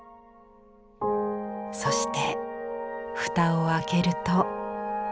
そして蓋を開けると。